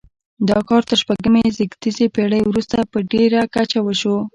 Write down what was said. دا کار تر شپږمې زېږدیزې پیړۍ وروسته په ډیره کچه وشو.